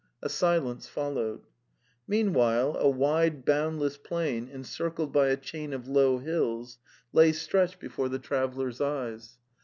A silence followed. Meanwhile a wide boundless plain encircled by a chain of low hills lay stretched before the trav 106 The Tales of Chekhov ellers' eyes.